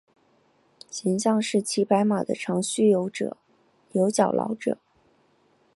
形象是骑白马的长须有角老者。